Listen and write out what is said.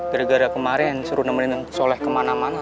gara gara kemarin disuruh nemenin soleh kemana mana